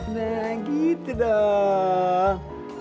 nah gitu dong